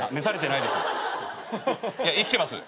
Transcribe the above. いや生きてます。